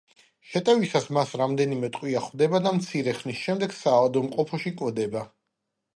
შეტევისას მას რამდენიმე ტყვია ხვდება და მცირე ხნის შემდეგ საავადმყოფოში კვდება.